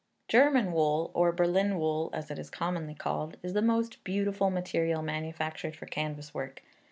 German wool (or Berlin wool, as it is commonly called) is the most beautiful material manufactured for canvas work.